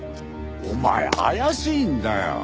お前怪しいんだよ！